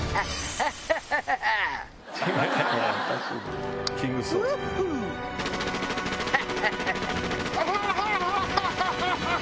アハハハハ！